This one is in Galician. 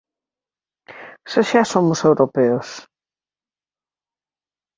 Se xa somos europeos...